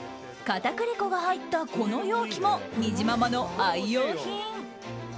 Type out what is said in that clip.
片栗粉が入ったこの容器もにじままの愛用品。